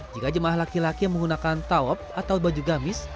jika jemaah laki laki yang menggunakan tawab atau baju gamis